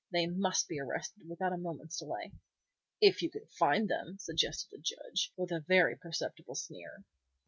They must be arrested without a moment's delay." "If you can find them!" suggested the Judge, with a very perceptible sneer.